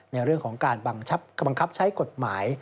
ในเรื่องของการบังคับใช้กฎหมาย